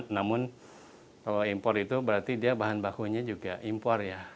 namun kalau impor itu berarti dia bahan bakunya juga impor ya